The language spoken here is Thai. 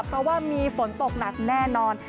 เพราะว่ามีฝนตกหนักแน่นอน